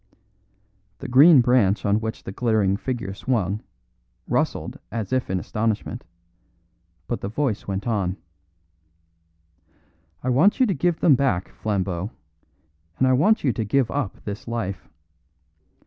The green branch on which the glittering figure swung, rustled as if in astonishment; but the voice went on: "I want you to give them back, Flambeau, and I want you to give up this life.